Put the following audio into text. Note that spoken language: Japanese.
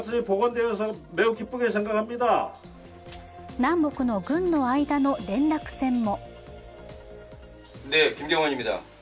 南北の軍の間の連絡線も。